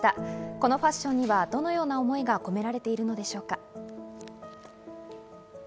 このファッションにはどのような思いが込められているのでしょうか。